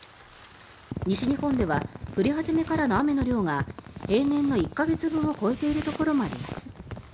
西日本では降り始めからの雨の量が平年の１か月分を超えているところもあります。